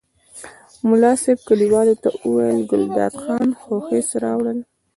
ملا صاحب کلیوالو ته وویل ګلداد خان خو خس راوړل.